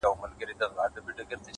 هدف لرونکی ژوند ارزښت لري’